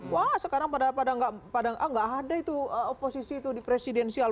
wah sekarang pada nggak ada itu oposisi itu di presidensial